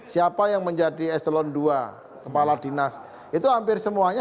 siapa yang menjadi eselon ii kepala dinas itu hampir semuanya